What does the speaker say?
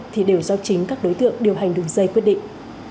thì đều do chính các đối tượng điều hành đường dây quyết định